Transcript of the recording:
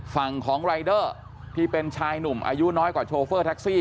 ฝั่งของรายเดอร์ที่เป็นชายหนุ่มอายุน้อยกว่าโชเฟอร์แท็กซี่